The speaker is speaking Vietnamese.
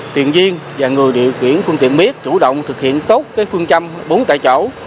tiền viên và người điều khiển phương tiện miết chủ động thực hiện tốt phương châm bốn tại chỗ